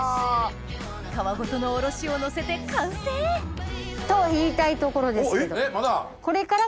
皮ごとのおろしをのせて完成と言いたいところですけど。